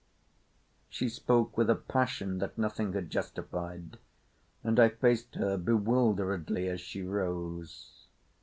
She spoke with a passion that nothing had justified, and I faced her bewilderedly as she rose.